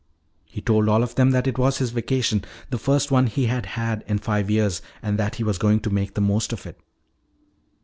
He told all of them that it was his vacation, the first one he had had in five years, and that he was going to make the most of it.